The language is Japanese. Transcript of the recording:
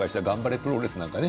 プロレスなんかもね。